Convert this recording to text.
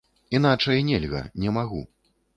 Іначай нельга, не магу.